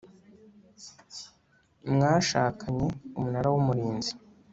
mwashakanye umunara w umurinzi